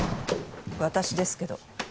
私ですけど。